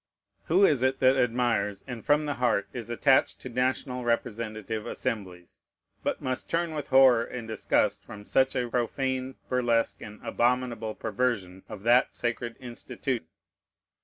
Who is it that admires, and from the heart is attached to national representative assemblies, but must turn with horror and disgust from such a profane burlesque and abominable perversion of that sacred institute?